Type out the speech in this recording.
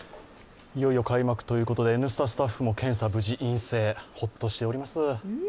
いよいよ開幕ということで、「Ｎスタ」スタッフも検査、無事陰性、ホッとしております。